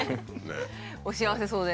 お幸せそうで。